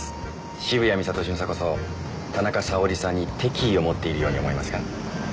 渋谷美里巡査こそ田中沙織さんに敵意を持っているように思えますが？